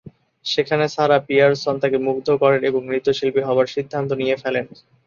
সেখানে Sarah Pearson তাঁকে মুগ্ধ করেন এবং নৃত্য শিল্পী হবার সিদ্ধান্ত নিয়ে ফেলেন।